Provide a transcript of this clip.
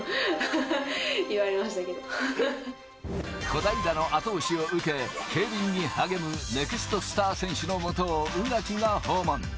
小平の後押しを受け、競輪に励む、ネクストスター選手の元を宇垣が訪問。